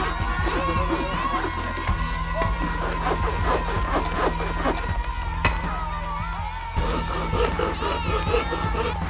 รีบรีบ